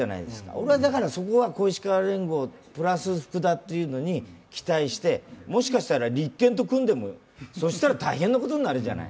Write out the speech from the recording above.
俺はだからそこは小石河＋福田というのに期待して、もしかしたら立憲と組んでも、そしたら大変なことになるじゃない。